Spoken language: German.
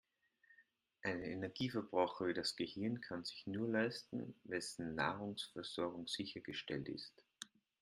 Einen Energieverbraucher wie das Gehirn kann sich nur leisten, wessen Nahrungsversorgung sichergestellt ist.